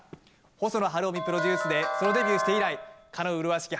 細野晴臣プロデュースでソロデビューして以来かの麗しき